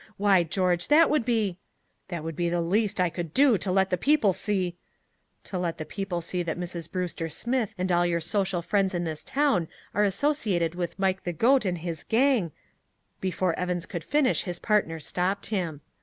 Why, George, that would be " "That would be the least I could do to let the people see " "To let the people see that Mrs. Brewster Smith and all your social friends in this town are associated with Mike the Goat and his gang " Before Evans could finish, his partner stopped him.